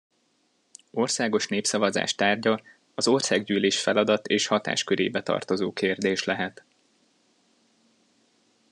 Országos népszavazás tárgya az Országgyűlés feladat- és hatáskörébe tartozó kérdés lehet.